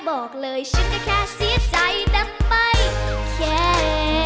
บอกเลยฉันก็แค่เสียใจแต่ไม่แค่